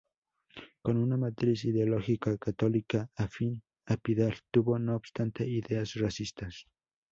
Con una matriz ideológica católica afín a Pidal, tuvo no obstante ideas racistas.